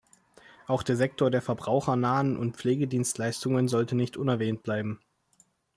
Auch der Sektor der verbrauchernahen und Pflegedienstleistungen sollte nicht unerwähnt bleiben.